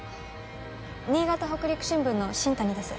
新潟北陸新聞の新谷です。